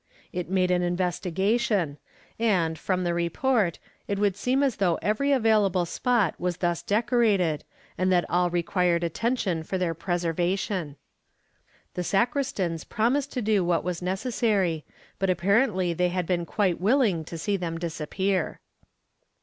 It made an investigation and, from the report, it would seem as though every available spot was thus decorated and that all required attention for their preservation. The sacristans promised to do what was necessary, but apparently they had been quite willing to see them disappear.